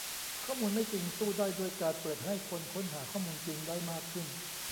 ข้อมูลไม่จริงสู้ได้ด้วยการเปิดให้คนค้นหาข้อมูลจริงได้มากขึ้น